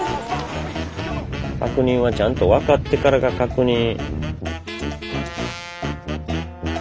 確認はちゃんと分かってからが確認。